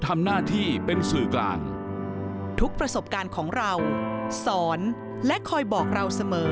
หลังเคารพทงชา